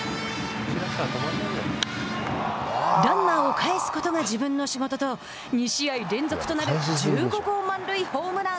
ランナーを帰すことが自分の仕事と２試合連続となる１５号満塁ホームラン。